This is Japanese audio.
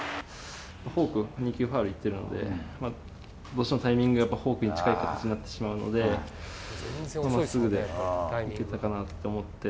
フォーク２球ファウルいってるので、どうしてもタイミングはやっぱフォークに近い形になってしまうので、まっすぐでいけたかなと思って。